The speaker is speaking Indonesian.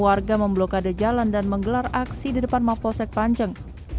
warga memblokade jalan dan menggelar aksi di depan mapolsek panceng